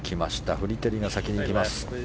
フリテリが先にいきます。